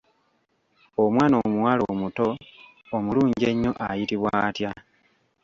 Omwana omuwala omuto omulungi ennyo ayitibwa atya?